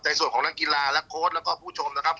ในส่วนของนักกีฬาและโค้ดแล้วก็ผู้ชมนะครับ